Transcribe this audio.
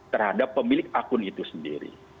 terhadap pemilik akun itu sendiri